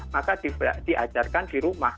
maka diajarkan di rumah